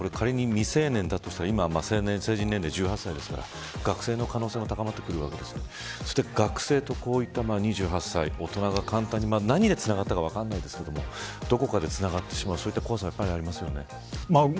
仮に未成年だとしたら今は成人年齢１８歳ですから学生の可能性も高まるわけですが学生と、こういった２８歳大人が簡単に何でつながったか分かりませんがどこかでつながってしまうこういう怖さ、ありますよね。